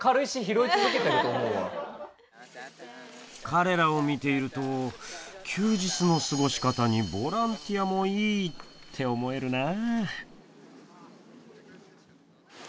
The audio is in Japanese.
彼らを見ていると休日の過ごし方にボランティアもいいって思えるな。